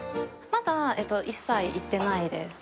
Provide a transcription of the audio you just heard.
まだ１歳いってないです。